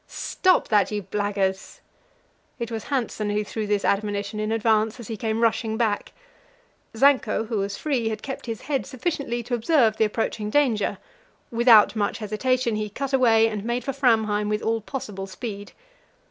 "Stop that, you blackguards!" It was Hanssen who threw this admonition in advance, as he came rushing back. Zanko, who was free, had kept his head sufficiently to observe the approaching danger; without much hesitation, he cut away and made for Framheim with all possible speed.